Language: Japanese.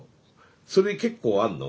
それ結構あんの？